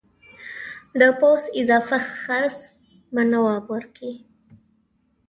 د پوځ اضافه خرڅ به نواب ورکوي.